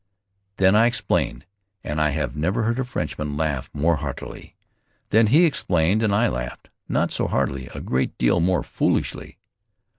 Then I explained, and I have never heard a Frenchman laugh more heartily. Then he explained and I laughed, not so heartily, a great deal more foolishly.